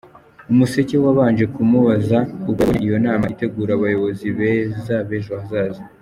Umuseke wabanje kumubaza uko yabonye iyo nama itegura abayobozi beza b’ejo hazaza.